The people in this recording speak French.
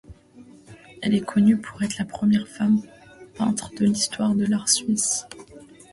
Elle est connue pour être la première femme peintre de l'histoire de l'art suisse.